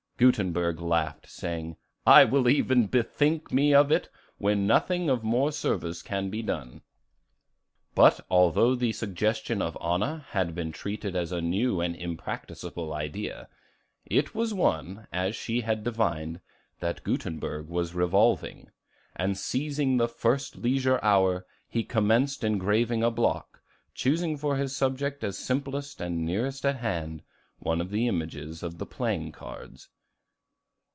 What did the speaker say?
Gutenberg laughed, saying, "I will even bethink me of it when nothing of more service can be done." But although the suggestion of Anna had been treated as a new and impracticable idea, it was one, as she had divined, that Gutenberg was revolving; and seizing the first leisure hour, he commenced engraving a block, choosing for his subject as simplest and nearest at hand, one of the images of the playing cards.